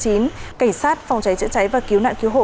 cảnh sát phòng cháy chữa cháy và cứu nạn cứu hộ